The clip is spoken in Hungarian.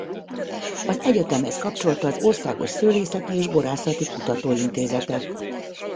Az egyetemhez kapcsolta az Országos Szőlészeti és Borászati Kutató Intézetet.